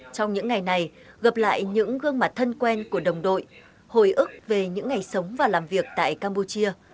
trong những ngày này gặp lại những gương mặt thân quen của đồng đội hồi ức về những ngày sống và làm việc tại campuchia